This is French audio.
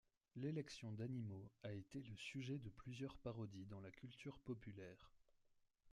L'élection d'animaux a été le sujet de plusieurs parodies dans la culture populaire.